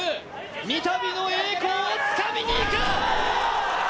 三たびの栄光をつかみに行く。